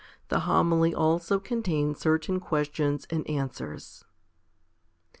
The Homily also contains certain questions and answers. i.